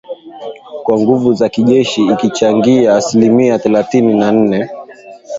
kwa nguvu za kijeshi ikichangia asilimia thelathini na nne